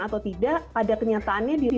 atau tidak pada kenyataannya di